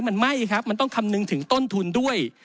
มันไม่ครับมันต้องคำนึงถึงต้นทุนด้วย